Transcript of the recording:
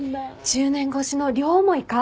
１０年越しの両思いか！？